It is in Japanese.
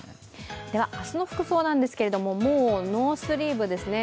明日の服装なんですけれども、もうノースリーブですね。